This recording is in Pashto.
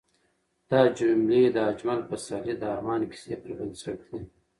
دا جملې د اجمل پسرلي د ارمان کیسې پر بنسټ دي.